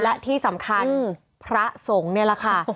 และที่สำคัญพระสงฆ์นี่แหละค่ะ